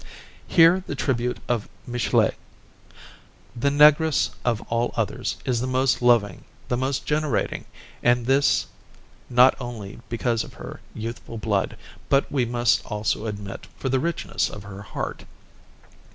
Hear the tribute of Michelet: "The Negress, of all others, is the most loving, the most generating; and this, not only because of her youthful blood, but we must also admit, for the richness of her heart.